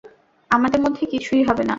আমাদের মধ্যে কিছুই হবে না।